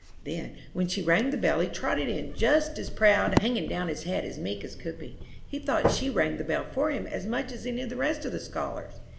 "Then when she rang the bell he trotted in just as proud, hanging down his head as meek as could be. He thought she rang the bell for him as much as any of the rest of the scholars.